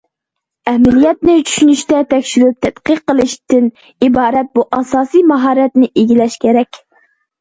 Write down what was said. ئەمەلىيەتنى چۈشىنىشتە، تەكشۈرۈپ تەتقىق قىلىشتىن ئىبارەت بۇ ئاساسىي ماھارەتنى ئىگىلەش كېرەك.